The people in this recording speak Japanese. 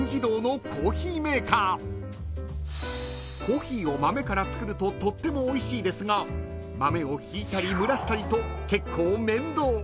［コーヒーを豆から作るととってもおいしいですが豆をひいたり蒸らしたりと］